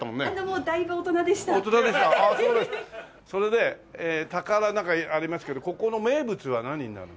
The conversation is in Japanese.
それで宝なんかありますけどここの名物は何になるの？